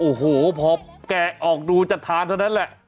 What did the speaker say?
โอ้โหพอแกะออกดูจะทานเท่านั้นแหละ